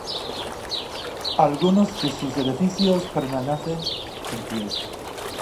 Algunos de sus edificios permanecen en pie.